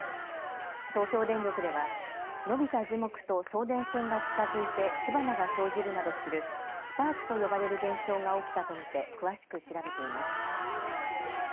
東京電力では伸びた樹木と送電線が近づいて火花が生じるなどするスパークと呼ばれる現象が起きたと見て詳しく調べています。